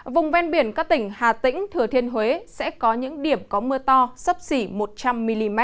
vùng ven biển các tỉnh hà tĩnh thừa thiên huế sẽ có những điểm có mưa to sắp xỉ một trăm linh mm